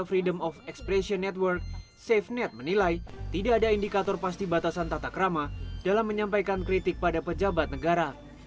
freedom of expression network safenet menilai tidak ada indikator pasti batasan tatak rama dalam menyampaikan kritik pada pejabat negara